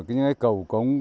những cái cầu cống